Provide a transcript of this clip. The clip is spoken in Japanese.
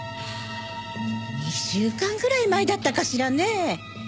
２週間ぐらい前だったかしらね。